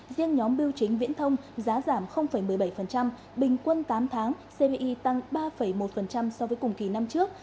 riêng nhóm biêu chính viễn thông giá giảm một mươi bảy bình quân tám tháng cbi tăng ba một so với cùng kỳ năm trước